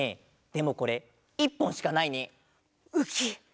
でもこれ１ぽんしかないね。ウキ。